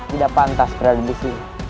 tidak pantas berada di sini